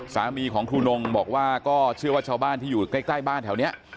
สามีของครูนงบอกว่าก็เชื่อว่าชาวบ้านที่อยู่ใกล้บ้านแถวนี้